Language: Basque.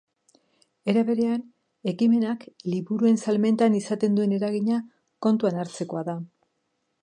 Era berean, ekimenak liburuen salmentan izaten duen eragina kontuan hartzekoa da.